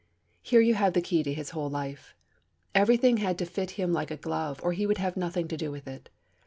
Here you have the key to his whole life. Everything had to fit him like a glove, or he would have nothing to do with it.